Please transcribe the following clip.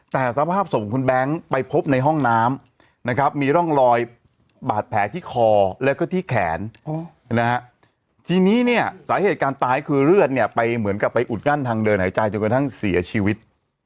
แต่สภาพศพของคุณแบงค์ไปพบในห้องน้ำนะครับมีร่องรอยบาดแผลที่คอแล้วก็ที่แขนนะฮะทีนี้เนี่ยสาเหตุการตายคือเลือดเนี่ยไปเหมือนกับไปอุดกั้นทางเดินหายใจจนกระทั่งเสียชีวิต